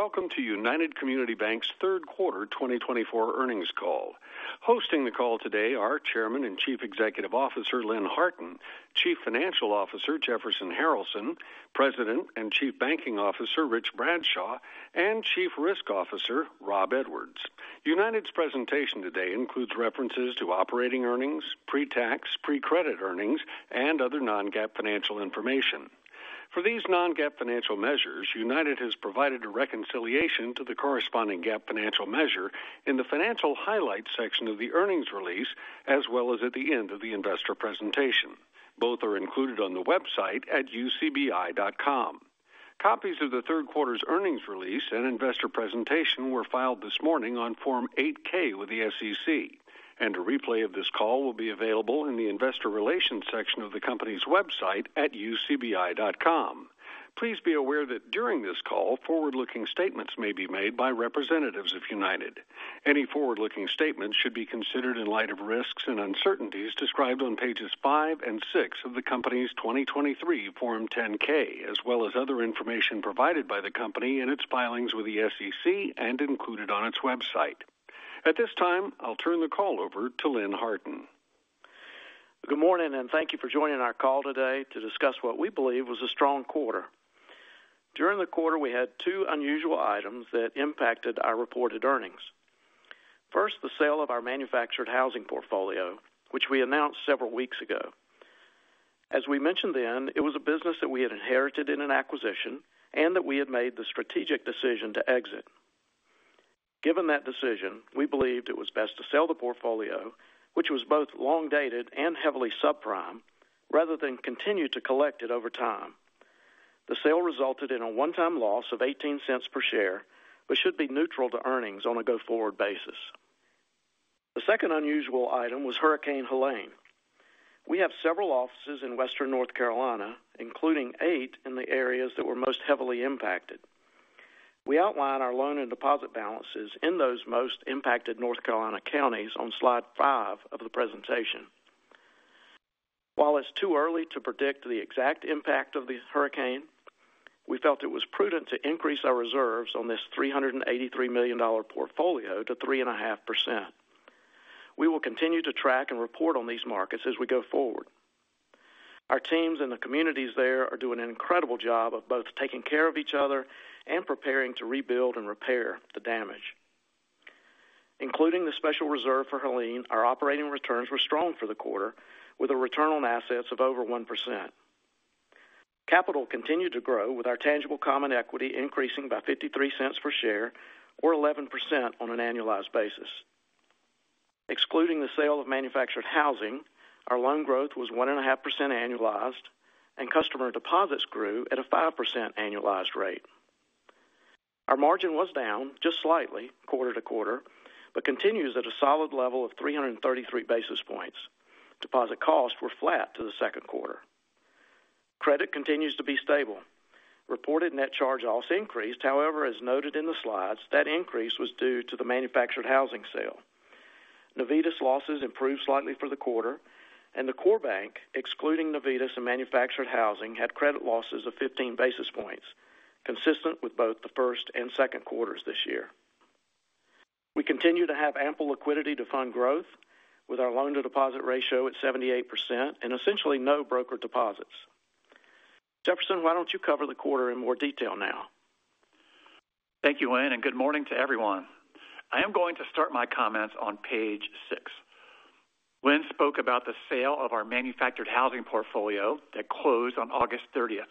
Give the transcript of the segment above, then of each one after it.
Good morning, and welcome to United Community Banks' Q3 2024 Earnings Call. Hosting the call today are Chairman and Chief Executive Officer, Lynn Harton; Chief Financial Officer, Jefferson Harralson; President and Chief Banking Officer, Rich Bradshaw; and Chief Risk Officer, Rob Edwards. United's presentation today includes references to operating earnings, pre-tax, pre-credit earnings, and other non-GAAP financial information. For these non-GAAP financial measures, United has provided a reconciliation to the corresponding GAAP financial measure in the Financial Highlights section of the earnings release, as well as at the end of the investor presentation. Both are included on the website at ucbi.com. Copies of the Q3's earnings release and investor presentation were filed this morning on Form 8-K with the SEC, and a replay of this call will be available in the Investor Relations section of the company's website at ucbi.com. Please be aware that during this call, forward-looking statements may be made by representatives of United. Any forward-looking statements should be considered in light of risks and uncertainties described on pages five and six of the company's 2023 Form 10-K, as well as other information provided by the company in its filings with the SEC and included on its website. At this time, I'll turn the call over to Lynn Harton. Good morning, and thank you for joining our call today to discuss what we believe was a strong quarter. During the quarter, we had two unusual items that impacted our reported earnings. First, the sale of our manufactured housing portfolio, which we announced several weeks ago. As we mentioned then, it was a business that we had inherited in an acquisition and that we had made the strategic decision to exit. Given that decision, we believed it was best to sell the portfolio, which was both long-dated and heavily subprime, rather than continue to collect it over time. The sale resulted in a one-time loss of $0.18 per share, but should be neutral to earnings on a go-forward basis. The second unusual item was Hurricane Helene. We have several offices in Western North Carolina, including eight in the areas that were most heavily impacted. We outline our loan and deposit balances in those most impacted North Carolina counties on slide five of the presentation. While it's too early to predict the exact impact of the hurricane, we felt it was prudent to increase our reserves on this $383 million portfolio to 3.5%. We will continue to track and report on these markets as we go forward. Our teams in the communities there are doing an incredible job of both taking care of each other and preparing to rebuild and repair the damage. Including the special reserve for Helene, our operating returns were strong for the quarter, with a return on assets of over 1%. Capital continued to grow, with our tangible common equity increasing by $0.53 per share, or 11% on an annualized basis. Excluding the sale of manufactured housing, our loan growth was 1.5% annualized, and customer deposits grew at a 5% annualized rate. Our margin was down just slightly quarter to quarter, but continues at a solid level of 333 basis points. Deposit costs were flat to the Q2. Credit continues to be stable. Reported net charge-offs also increased. However, as noted in the slides, that increase was due to the manufactured housing sale. Navitas losses improved slightly for the quarter, and the core bank, excluding Navitas and manufactured housing, had credit losses of 15 basis points, consistent with both the first and Q2s this year. We continue to have ample liquidity to fund growth with our loan-to-deposit ratio at 78% and essentially no broker deposits. Jefferson, why don't you cover the quarter in more detail now? Thank you, Lynn, and good morning to everyone. I am going to start my comments on page six. Lynn spoke about the sale of our manufactured housing portfolio that closed on August 13th.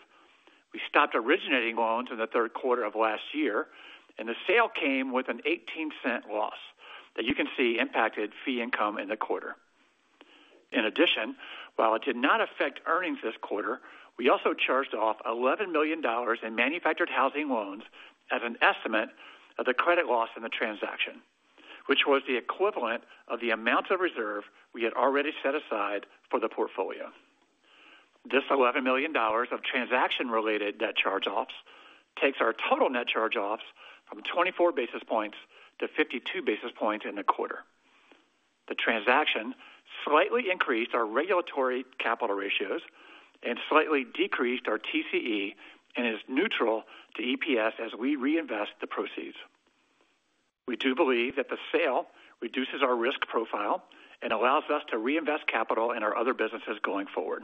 We stopped originating loans in the Q3 of last year, and the sale came with an $0.18 loss that you can see impacted fee income in the quarter. In addition, while it did not affect earnings this quarter, we also charged off $11 million in manufactured housing loans as an estimate of the credit loss in the transaction, which was the equivalent of the amount of reserve we had already set aside for the portfolio. This $11 million of transaction-related debt charge-offs takes our total net charge-offs from 24 basis points to 52 basis points in the quarter. The transaction slightly increased our regulatory capital ratios and slightly decreased our TCE, and is neutral to EPS as we reinvest the proceeds. We do believe that the sale reduces our risk profile and allows us to reinvest capital in our other businesses going forward.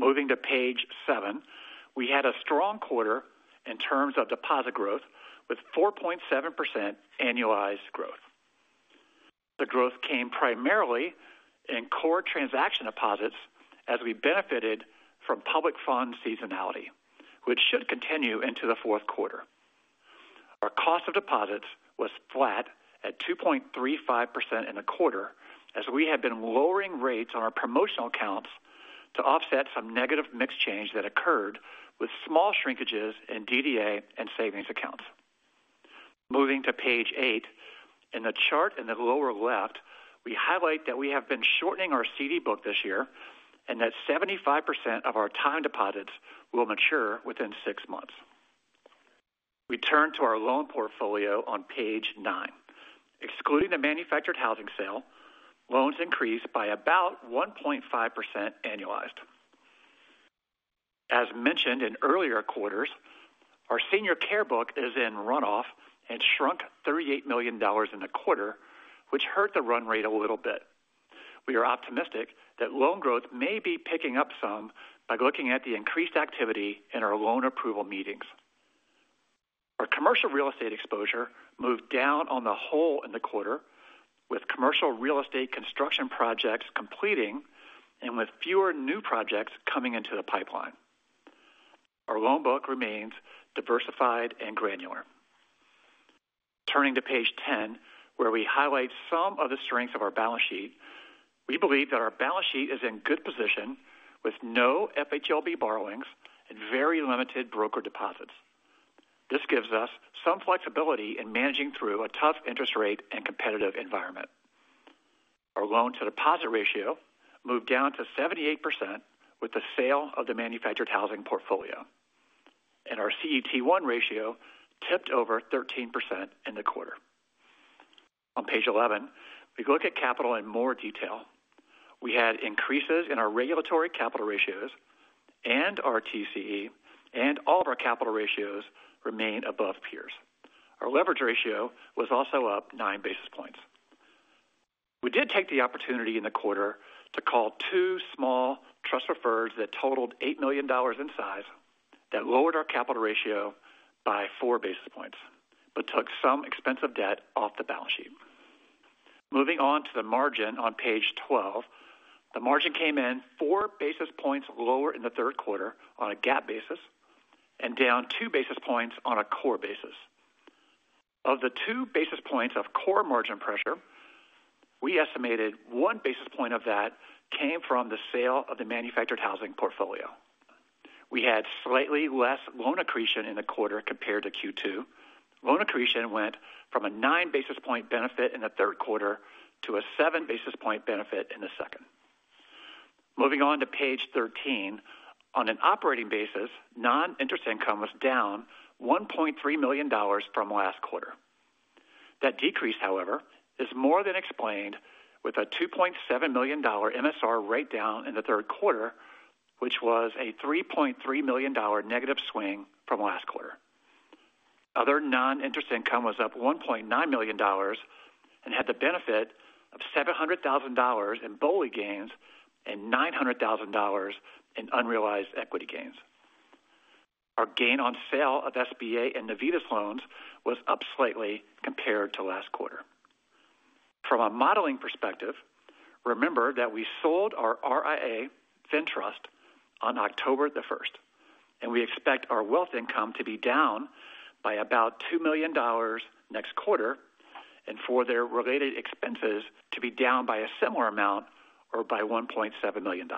Moving to page seven, we had a strong quarter in terms of deposit growth with 4.7% annualized growth. The growth came primarily in core transaction deposits as we benefited from public fund seasonality, which should continue into the Q4. Our cost of deposits was flat at 2.35% in the quarter, as we have been lowering rates on our promotional accounts to offset some negative mix change that occurred with small shrinkages in DDA and savings accounts. Moving to page eight, in the chart in the lower left, we highlight that we have been shortening our CD book this year and that 75% of our time deposits will mature within six months. We turn to our loan portfolio on page nine. Excluding the manufactured housing sale, loans increased by about 1.5% annualized. As mentioned in earlier quarters, our senior care book is in runoff and shrunk $38 million in the quarter, which hurt the run rate a little bit. We are optimistic that loan growth may be picking up some by looking at the increased activity in our loan approval meetings. Our commercial real estate exposure moved down on the whole in the quarter, with commercial real estate construction projects completing and with fewer new projects coming into the pipeline. Our loan book remains diversified and granular. Turning to page 10, where we highlight some of the strengths of our balance sheet, we believe that our balance sheet is in good position with no FHLB borrowings and very limited broker deposits. This gives us some flexibility in managing through a tough interest rate and competitive environment. Our loan-to-deposit ratio moved down to 78% with the sale of the manufactured housing portfolio, and our CET1 ratio tipped over 13% in the quarter. On page 11, we look at capital in more detail. We had increases in our regulatory capital ratios and our TCE, and all of our capital ratios remain above peers. Our leverage ratio was also up nine basis points. We did take the opportunity in the quarter to call two small trust preferreds that totaled $8 million in size. That lowered our capital ratio by four basis points, but took some expensive debt off the balance sheet. Moving on to the margin on page 12. The margin came in four basis points lower in the Q3 on a GAAP basis and down two basis points on a core basis. Of the two basis points of core margin pressure, we estimated one basis point of that came from the sale of the manufactured housing portfolio. We had slightly less loan accretion in the quarter compared to Q2. Loan accretion went from a nine basis point benefit in the Q3 to a seven basis point benefit in the second. Moving on to page 13. On an operating basis, non-interest income was down $1.3 million from last quarter. That decrease, however, is more than explained, with a $2.7 million MSR write-down in the Q3, which was a $3.3 million negative swing from last quarter. Other non-interest income was up $1.9 million and had the benefit of $700,000 in BOLI gains and $900,000 in unrealized equity gains. Our gain on sale of SBA and Navitas loans was up slightly compared to last quarter. From a modeling perspective, remember that we sold our RIA FinTrust on October 1st, and we expect our wealth income to be down by about $2 million next quarter, and for their related expenses to be down by a similar amount or by $1.7 million.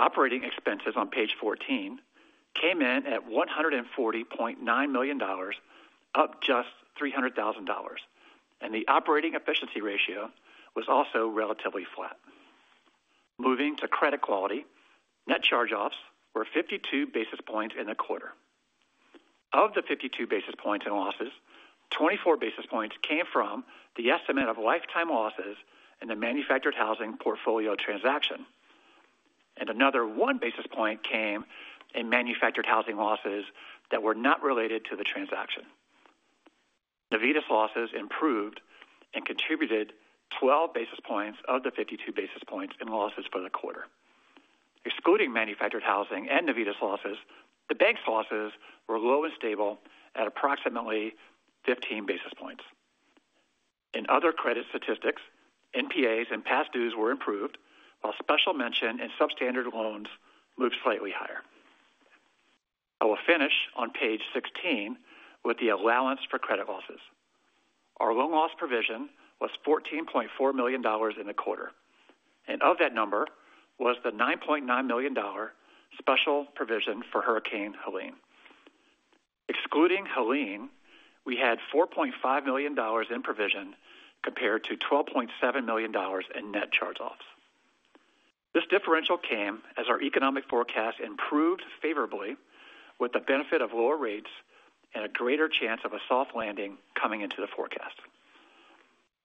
Operating expenses on page 14 came in at $140.9 million, up just $300,000, and the operating efficiency ratio was also relatively flat. Moving to credit quality. Net charge-offs were 52 basis points in the quarter. Of the 52 basis points in losses, 24 basis points came from the estimate of lifetime losses in the manufactured housing portfolio transaction, and another one basis point came in manufactured housing losses that were not related to the transaction. Navitas losses improved and contributed 12 basis points of the 52 basis points in losses for the quarter. Excluding manufactured housing and Navitas losses, the bank's losses were low and stable at approximately 15 basis points. In other credit statistics, NPAs and past dues were improved, while special mention and substandard loans moved slightly higher. I will finish on page 16 with the allowance for credit losses. Our loan loss provision was $14.4 million in the quarter, and of that number was the $9.9 million special provision for Hurricane Helene. Excluding Helene, we had $4.5 million in provision compared to $12.7 million in net charge-offs. This differential came as our economic forecast improved favorably with the benefit of lower rates and a greater chance of a soft landing coming into the forecast.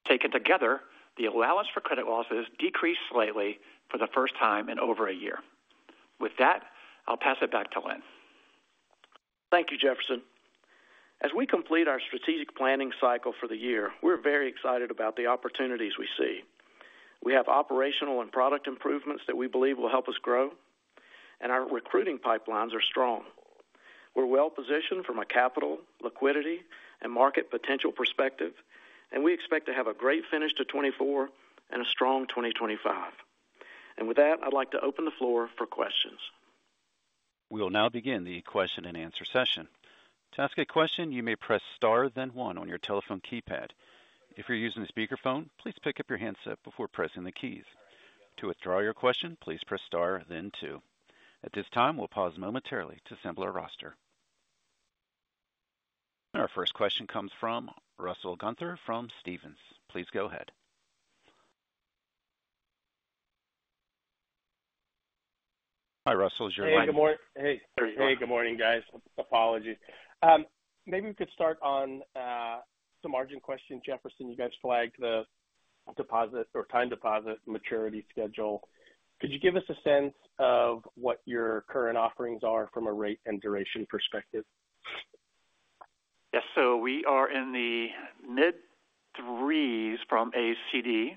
Taken together, the allowance for credit losses decreased slightly for the first time in over a year. With that, I'll pass it back to Lynn. Thank you, Jefferson. As we complete our strategic planning cycle for the year, we're very excited about the opportunities we see. We have operational and product improvements that we believe will help us grow, and our recruiting pipelines are strong. We're well positioned from a capital, liquidity, and market potential perspective, and we expect to have a great finish to 2024 and a strong 2025. And with that, I'd like to open the floor for questions. We will now begin the question-and-answer session. To ask a question, you may press Star, then one on your telephone keypad. If you're using a speakerphone, please pick up your handset before pressing the keys. To withdraw your question, please press Star then two. At this time, we'll pause momentarily to assemble our roster. Our first question comes from Russell Gunther from Stephens. Please go ahead. Hi, Russell, it's your line. Hey, good morning. Hey, hey, good morning, guys. Apologies. Maybe we could start on some margin questions. Jefferson, you guys flagged the deposit or time deposit maturity schedule. Could you give us a sense of what your current offerings are from a rate and duration perspective? Yes, so we are in the mid-threes from a CD.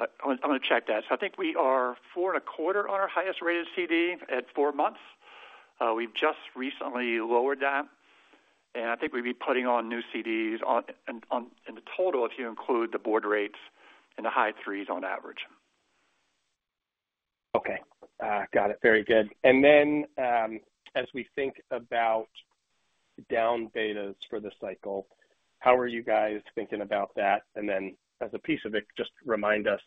I'm gonna check that. So I think we are four and a quarter on our highest rate of CD at four months. We've just recently lowered that, and I think we'd be putting on new CDs on in the total, if you include the brokered rates in the high threes on average. Okay, got it. Very good. And then, as we think about down betas for the cycle, how are you guys thinking about that? And then as a piece of it, just remind us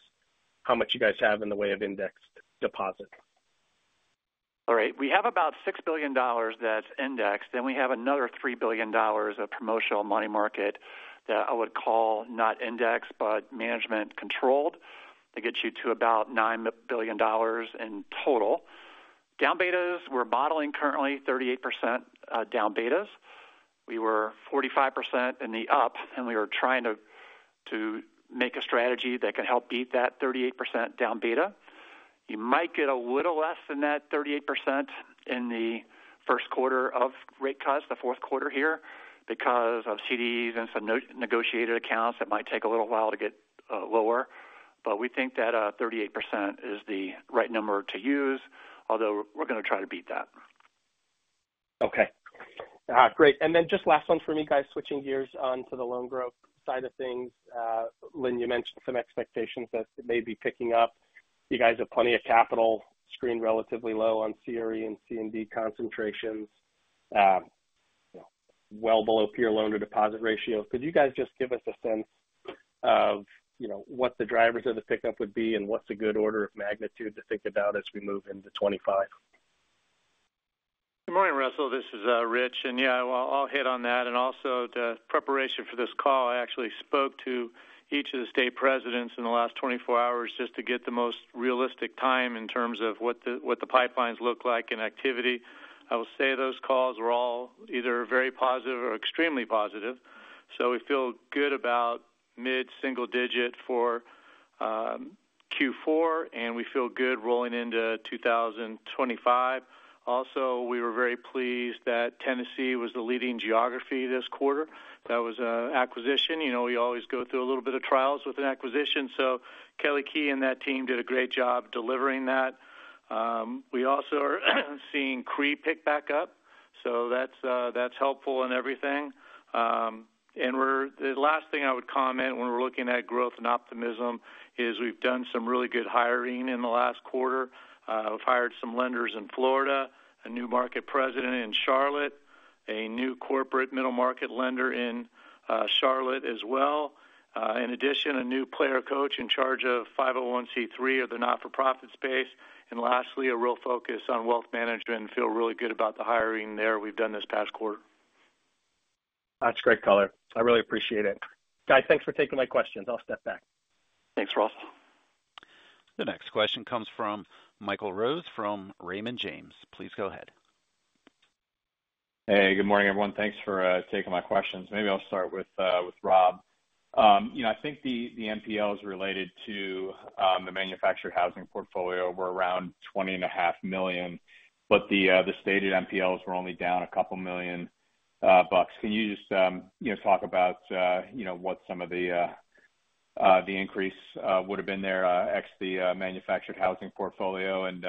how much you guys have in the way of indexed deposit. All right, we have about $6 billion that's indexed, then we have another $3 billion of promotional money market that I would call not indexed, but management controlled. That gets you to about $9 billion in total. Down betas, we're modeling currently 38%, down betas. We were 45% in the up, and we are trying to make a strategy that can help beat that 38% down beta. You might get a little less than that 38% in the Q1 of rate cuts, the Q4 here, because of CDs and some non-negotiated accounts that might take a little while to get lower. But we think that 38% is the right number to use, although we're gonna try to beat that. Okay. Great. And then just last one for me, guys, switching gears on to the loan growth side of things. Lynn, you mentioned some expectations that may be picking up. You guys have plenty of capital, screen relatively low on CRE and C&I concentrations, well below peer loan-to-deposit ratio. Could you guys just give us a sense of, you know, what the drivers of the pickup would be and what's a good order of magnitude to think about as we move into 2025? Good morning, Russell. This is Rich, and yeah, I'll hit on that, and also, the preparation for this call, I actually spoke to each of the state presidents in the last 24 hours just to get the most realistic time in terms of what the pipelines look like in activity. I will say those calls were all either very positive or extremely positive, so we feel good about mid-single digit for Q4, and we feel good rolling into 2025. Also, we were very pleased that Tennessee was the leading geography this quarter. That was an acquisition. You know, we always go through a little bit of trials with an acquisition, so Kelly Key and that team did a great job delivering that. We also are seeing CRE pick back up, so that's helpful and everything. And we're the last thing I would comment when we're looking at growth and optimism is we've done some really good hiring in the last quarter. We've hired some lenders in Florida, a new market president in Charlotte, a new corporate middle market lender in Charlotte as well. In addition, a new player coach in charge of 501(c)(3) of the not-for-profit space. And lastly, a real focus on wealth management and feel really good about the hiring there we've done this past quarter. That's great color. I really appreciate it. Guys, thanks for taking my questions. I'll step back. Thanks, Russell. The next question comes from Michael Rose, from Raymond James. Please go ahead. Hey, good morning, everyone. Thanks for taking my questions. Maybe I'll start with Rob. You know, I think the NPLs related to the manufactured housing portfolio were around $20.5 million, but the stated NPLs were only down a couple million bucks. Can you just talk about what some of the increase would have been there ex the manufactured housing portfolio and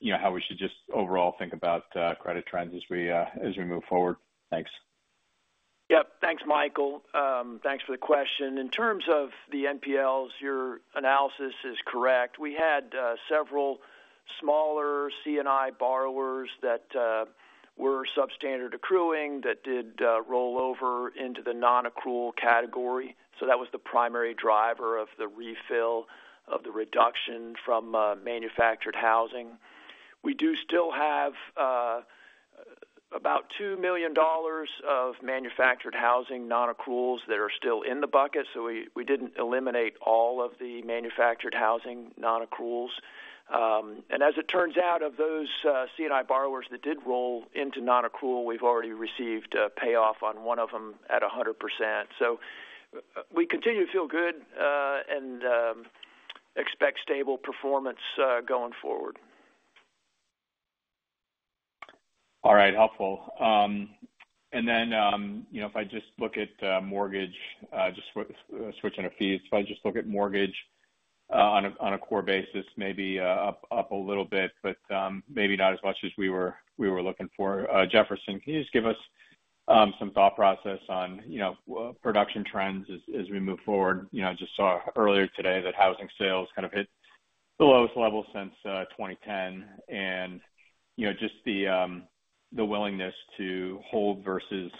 you know, how we should just overall think about credit trends as we move forward? Thanks. Yep. Thanks, Michael. Thanks for the question. In terms of the NPLs, your analysis is correct. We had several smaller C&I borrowers that were substandard accruing, that did roll over into the non-accrual category. So that was the primary driver of the refill of the reduction from manufactured housing. We do still have about $2 million of manufactured housing non-accruals that are still in the bucket, so we didn't eliminate all of the manufactured housing non-accruals. And as it turns out, of those C&I borrowers that did roll into non-accrual, we've already received a payoff on one of them at 100%. So we continue to feel good and expect stable performance going forward. All right. Helpful. And then, you know, if I just look at mortgage, just switching to fees, if I just look at mortgage, on a core basis, maybe up a little bit, but maybe not as much as we were looking for. Jefferson, can you just give us some thought process on, you know, production trends as we move forward? You know, I just saw earlier today that housing sales kind of hit the lowest level since 2010, and, you know, just the willingness to hold versus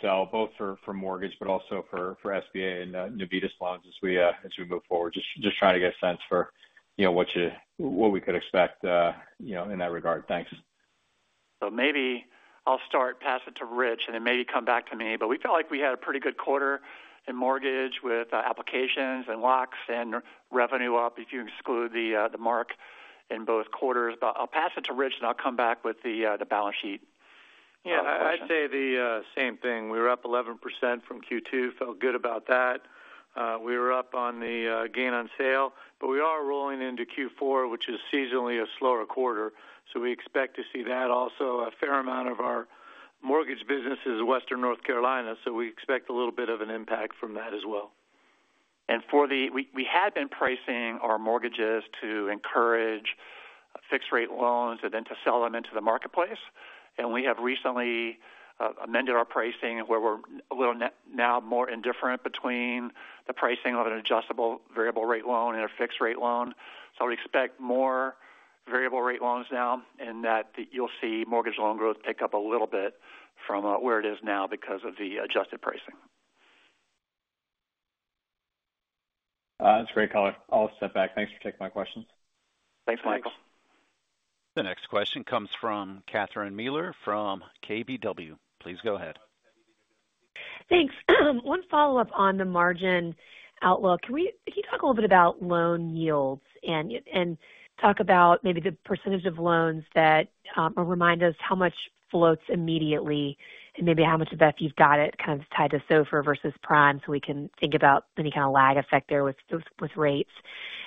sell, both for mortgage, but also for SBA and Navitas loans as we move forward. Just trying to get a sense for, you know, what we could expect, you know, in that regard. Thanks. So maybe I'll start, pass it to Rich, and then maybe come back to me. But we felt like we had a pretty good quarter in mortgage with applications and locks and revenue up, if you exclude the mark in both quarters. But I'll pass it to Rich, and I'll come back with the balance sheet. Yeah, I'd say the same thing. We were up 11% from Q2. Felt good about that. We were up on the gain on sale, but we are rolling into Q4, which is seasonally a slower quarter, so we expect to see that also. A fair amount of our mortgage business is Western North Carolina, so we expect a little bit of an impact from that as well. We had been pricing our mortgages to encourage fixed rate loans and then to sell them into the marketplace. We have recently amended our pricing, where we're now more indifferent between the pricing of an adjustable variable rate loan and a fixed rate loan. We expect more variable rate loans now, and that you'll see mortgage loan growth pick up a little bit from where it is now because of the adjusted pricing. That's great color. I'll step back. Thanks for taking my questions. Thanks, Michael. The next question comes from Catherine Mealor from KBW. Please go ahead. Thanks. One follow-up on the margin outlook. Can you talk a little bit about loan yields and talk about maybe the percentage of loans that or remind us how much floats immediately, and maybe how much of that you've got it kind of tied to SOFR versus prime, so we can think about any kind of lag effect there with rates?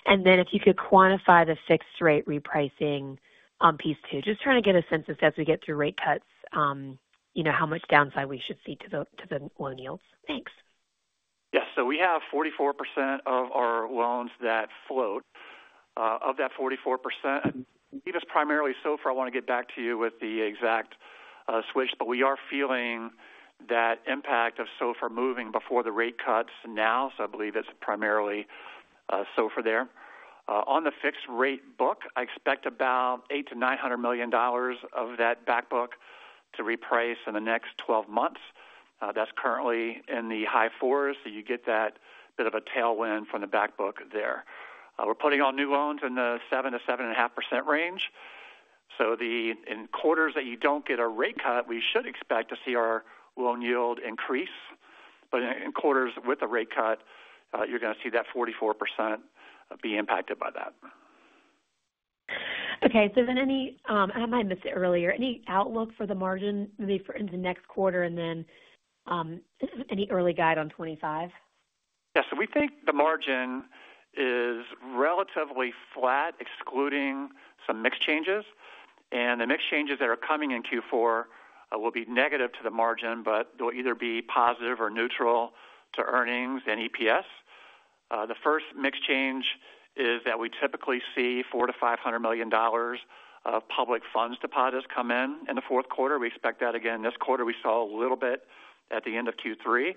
And then if you could quantify the fixed rate repricing on piece two. Just trying to get a sense of, as we get through rate cuts, you know, how much downside we should see to the loan yields. Thanks. Yes, so we have 44% of our loans that float. Of that 44%, it is primarily SOFR. I want to get back to you with the exact switch, but we are feeling that impact of SOFR moving before the rate cuts now, so I believe it's primarily SOFR there. On the fixed rate book, I expect about $800 million-$900 million of that back book to reprice in the next 12 months. That's currently in the high fours, so you get that bit of a tailwind from the back book there. We're putting on new loans in the 7%-7.5% range. So the, in quarters that you don't get a rate cut, we should expect to see our loan yield increase. But in quarters with a rate cut, you're going to see that 44% be impacted by that. Okay, so then I might have missed it earlier. Any outlook for the margin, maybe for in the next quarter, and then any early guide on 2025? Yes. So we think the margin is relatively flat, excluding some mix changes, and the mix changes that are coming in Q4 will be negative to the margin, but they'll either be positive or neutral to earnings and EPS. The first mix change is that we typically see $400 million-$500 million of public funds deposits come in, in the Q4. We expect that again this quarter. We saw a little bit at the end of Q3.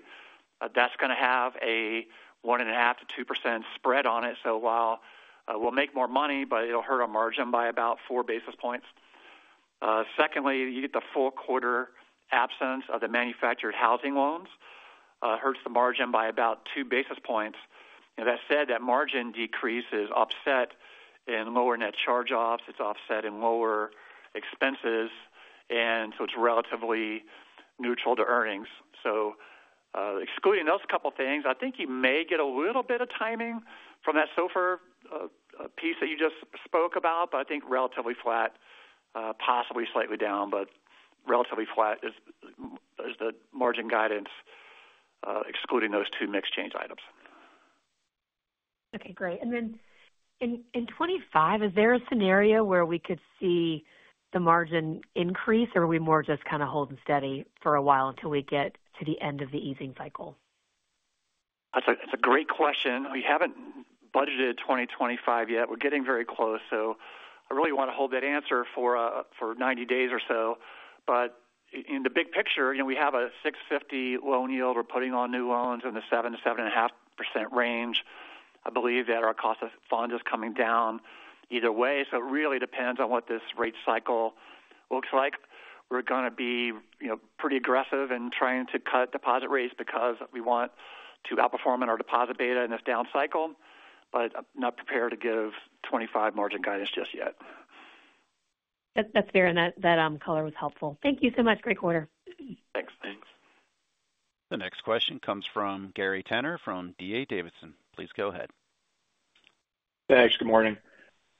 That's going to have a 1.5%-2% spread on it. So while we'll make more money, but it'll hurt our margin by about four basis points. Secondly, you get the full quarter absence of the manufactured housing loans hurts the margin by about two basis points. And that said, that margin decrease is offset in lower net charge-offs. It's offset in lower expenses, and so it's relatively neutral to earnings, so excluding those couple things, I think you may get a little bit of timing from that SOFR piece that you just spoke about, but I think relatively flat, possibly slightly down, but relatively flat is the margin guidance, excluding those two mix change items. Okay, great. And then in 2025, is there a scenario where we could see the margin increase, or are we more just kind of holding steady for a while until we get to the end of the easing cycle? That's a great question. We haven't budgeted 2025 yet. We're getting very close, so I really want to hold that answer for ninety days or so. But in the big picture, you know, we have a 6.50% loan yield. We're putting on new loans in the 7%-7.5% range. I believe that our cost of funds is coming down either way, so it really depends on what this rate cycle looks like. We're going to be, you know, pretty aggressive in trying to cut deposit rates because we want to outperform in our deposit beta in this down cycle, but I'm not prepared to give twenty-five margin guidance just yet. That's fair, and that color was helpful. Thank you so much. Great quarter. Thanks. Thanks. The next question comes from Gary Tenner, from D.A. Davidson. Please go ahead. Thanks. Good morning.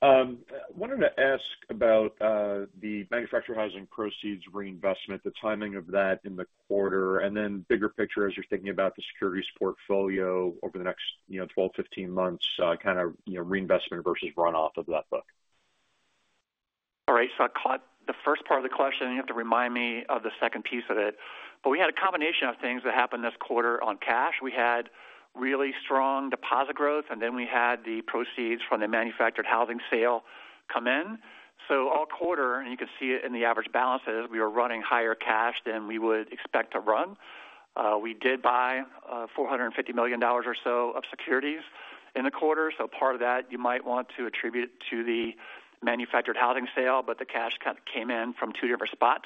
I wanted to ask about, the manufactured housing proceeds reinvestment, the timing of that in the quarter, and then bigger picture, as you're thinking about the securities portfolio over the next, you know, 12, 15 months, kind of, you know, reinvestment versus runoff of that book. All right, so I caught the first part of the question, and you have to remind me of the second piece of it. But we had a combination of things that happened this quarter on cash. We had really strong deposit growth, and then we had the proceeds from the manufactured housing sale come in. So all quarter, and you can see it in the average balances, we were running higher cash than we would expect to run. We did buy, $450 million or so of securities in the quarter. So part of that you might want to attribute to the manufactured housing sale, but the cash kind of came in from two different spots.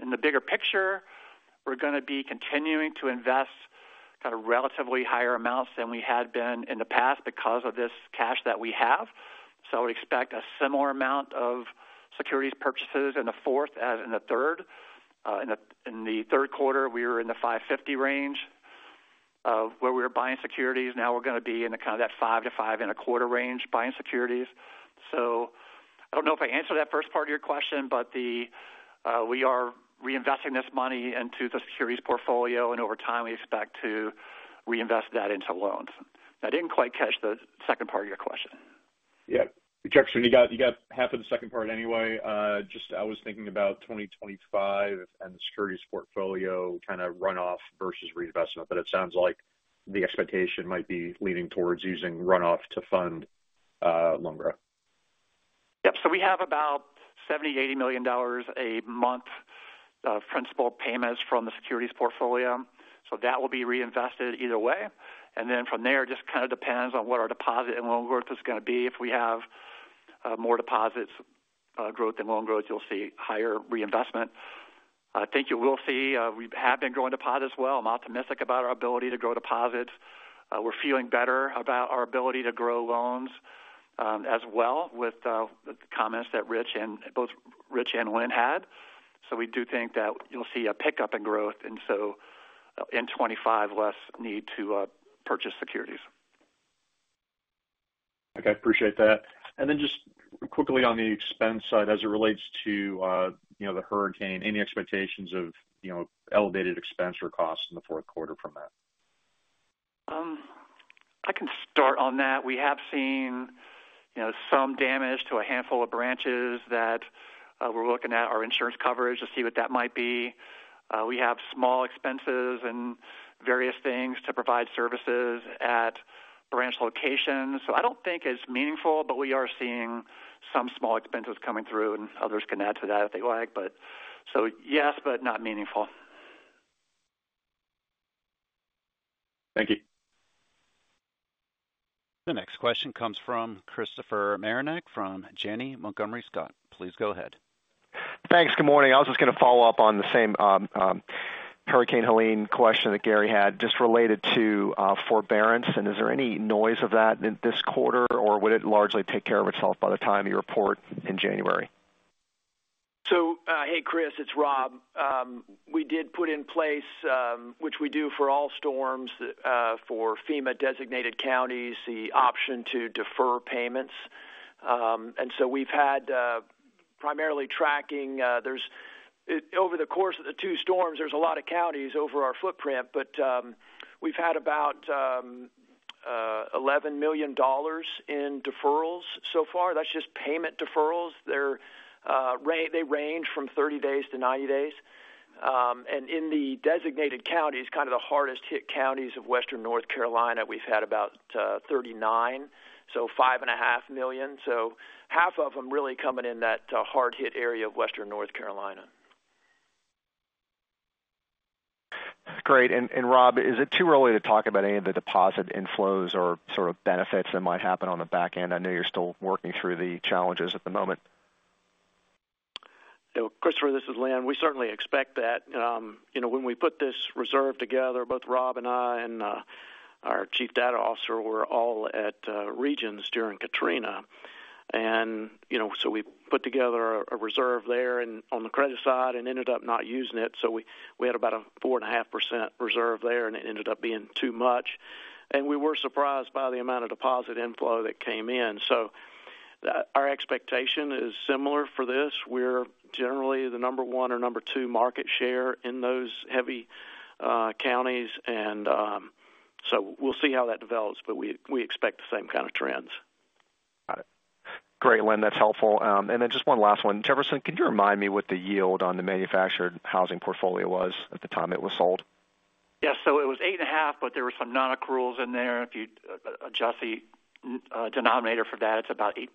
In the bigger picture, we're going to be continuing to invest kind of relatively higher amounts than we had been in the past because of this cash that we have. So we expect a similar amount of securities purchases in the fourth as in the third. In the Q3, we were in the 5.50 range of where we were buying securities. Now we're going to be in the kind of that 5 to 5.25 range buying securities. So I don't know if I answered that first part of your question, but we are reinvesting this money into the securities portfolio, and over time, we expect to reinvest that into loans. I didn't quite catch the second part of your question. Yeah, Jefferson, you got half of the second part anyway. Just I was thinking about 2025 and the securities portfolio kind of run off versus reinvestment, but it sounds like the expectation might be leaning towards using runoff to fund loan growth. Yep. So we have about $70-$80 million a month of principal payments from the securities portfolio. So that will be reinvested either way. And then from there, it just kind of depends on what our deposit and loan growth is going to be. If we have more deposit growth and loan growth, you'll see higher reinvestment. I think you will see we have been growing deposits well. I'm optimistic about our ability to grow deposits. We're feeling better about our ability to grow loans as well, with the comments that Rich and both Rich and Lynn had. So we do think that you'll see a pickup in growth, and so in 2025, less need to purchase securities. Okay, I appreciate that. And then just quickly on the expense side, as it relates to, you know, the hurricane, any expectations of, you know, elevated expense or costs in the Q4 from that? I can start on that. We have seen, you know, some damage to a handful of branches that we're looking at our insurance coverage to see what that might be. We have small expenses and various things to provide services at branch locations. So I don't think it's meaningful, but we are seeing some small expenses coming through, and others can add to that if they like, but so, yes, but not meaningful. Thank you. The next question comes from Christopher Marinac, from Janney Montgomery Scott. Please go ahead. Thanks. Good morning. I was just going to follow up on the same, Hurricane Helene question that Gary had just related to, forbearance. And is there any noise of that in this quarter, or would it largely take care of itself by the time you report in January? Hey, Chris, it's Rob. We did put in place, which we do for all storms, for FEMA-designated counties, the option to defer payments. We've had primarily tracking over the course of the two storms. There's a lot of counties over our footprint, but we've had about $11 million in deferrals so far. That's just payment deferrals. They range from 30 days to 90 days. In the designated counties, kind of the hardest hit counties of Western North Carolina, we've had about $5.5 million. Half of them really coming in that hard-hit area of Western North Carolina. Great. And Rob, is it too early to talk about any of the deposit inflows or sort of benefits that might happen on the back end? I know you're still working through the challenges at the moment. So, Christopher, this is Lynn. We certainly expect that. You know, when we put this reserve together, both Rob and I and our chief data officer were all at Regions during Katrina, and you know, so we put together a reserve there and on the credit side and ended up not using it, so we had about a 4.5% reserve there, and it ended up being too much, and we were surprised by the amount of deposit inflow that came in, so our expectation is similar for this. We're generally the number one or number two market share in those heavy counties, and so we'll see how that develops, but we expect the same kind of trends. Got it. Great, Lynn. That's helpful, and then just one last one. Jefferson, could you remind me what the yield on the manufactured housing portfolio was at the time it was sold? Yes. So it was eight and a half, but there were some non-accruals in there. If you adjust the denominator for that, it's about 8%.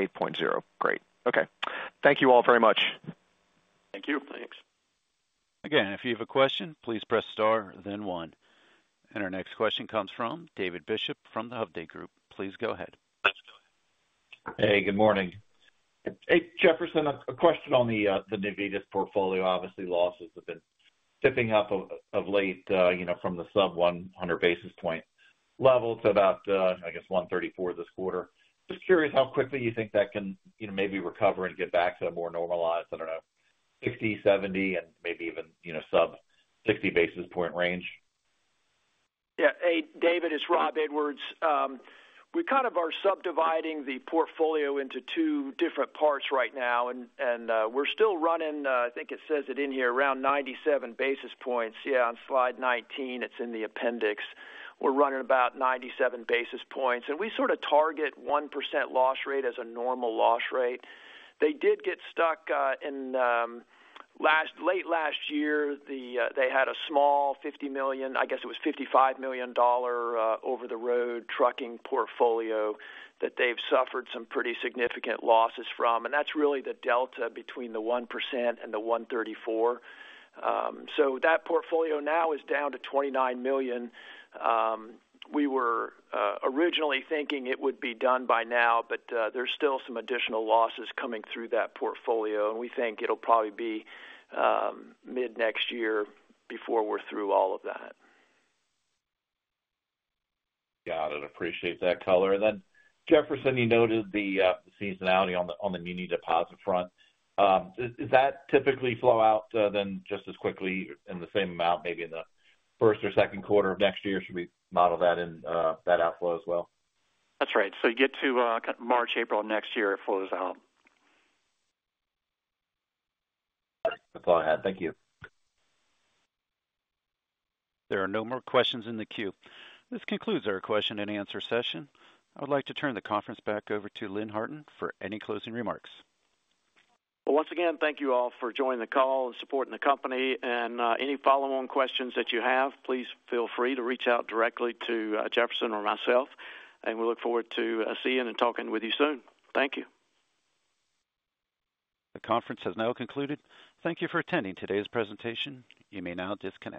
Eight point zero. Great. Okay. Thank you all very much. Thank you. Thanks. Again, if you have a question, please press Star, then One. And our next question comes from David Bishop from the Hovde Group. Please go ahead. Hey, good morning. Hey, Jefferson, a question on the Navitas portfolio. Obviously, losses have been ticking up of late, you know, from the sub-100 basis point level to about, I guess, 134 this quarter. Just curious how quickly you think that can, you know, maybe recover and get back to a more normalized, I don't know, 60, 70, and maybe even, you know, sub-60 basis point range? Yeah. Hey, David, it's Rob Edwards. We kind of are subdividing the portfolio into two different parts right now, and we're still running, I think it says it in here, around 97 basis points. Yeah, on slide 19, it's in the appendix. We're running about 97 basis points, and we sort of target 1% loss rate as a normal loss rate. They did get stuck in late last year. They had a small $50 million, I guess it was $55 million dollar, over-the-road trucking portfolio that they've suffered some pretty significant losses from, and that's really the delta between the 1% and the 134. So that portfolio now is down to $29 million. We were originally thinking it would be done by now, but there's still some additional losses coming through that portfolio, and we think it'll probably be mid-next year before we're through all of that. Got it. Appreciate that color. And then, Jefferson, you noted the seasonality on the muni deposit front. Does that typically flow out then just as quickly in the same amount, maybe in the first or Q2 of next year? Should we model that in that outflow as well? That's right. So you get to March, April next year, it flows out. That's all I had. Thank you. There are no more questions in the queue. This concludes our question-and-answer session. I would like to turn the conference back over to Lynn Harton for any closing remarks. Once again, thank you all for joining the call and supporting the company, and any follow-on questions that you have, please feel free to reach out directly to Jefferson or myself, and we look forward to seeing and talking with you soon. Thank you. The conference has now concluded. Thank you for attending today's presentation. You may now disconnect.